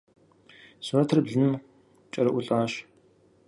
Сурэтыр блыным кӏэрыӏулӏащ.